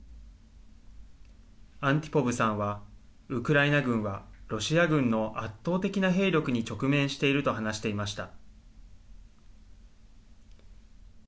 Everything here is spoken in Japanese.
アンティポブさんはウクライナ軍はロシア軍の圧倒的な兵力に直面していると話していました。